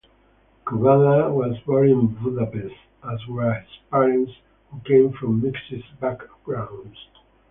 Kubala was born in Budapest, as were his parents, who came from mixed backgrounds.